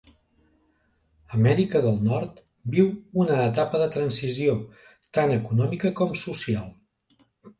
Amèrica del Nord viu una etapa de transició, tant econòmica com social.